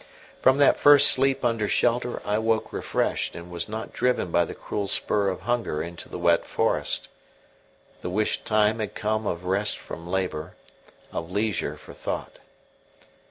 From that first sleep under shelter I woke refreshed, and was not driven by the cruel spur of hunger into the wet forest. The wished time had come of rest from labour, of leisure for thought.